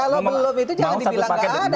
mau satu paket